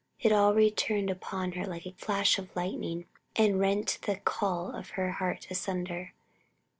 It all returned upon her like a flash of lightning, and rent the caul of her heart asunder."